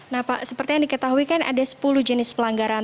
nah pak seperti yang diketahui kan ada sepuluh jenis pelanggaran